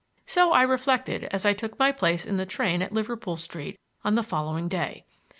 So I reflected as I took my place in the train at Liverpool Street on the following day.